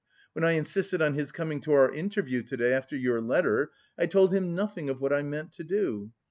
When I insisted on his coming to our interview to day after your letter, I told him nothing of what I meant to do.